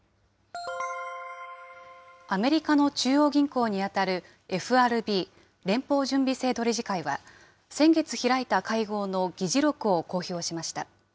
アメリカの中央銀行に当たるＦＲＢ・連邦準備制度理事会は、先月開いた会合の議事録を公表しました。